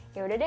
ya udah deh